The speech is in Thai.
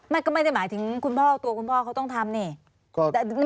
ไม่ก็ไม่ได้หมายถึงคุณพ่อตัวคุณพ่อเขาต้องทำนี่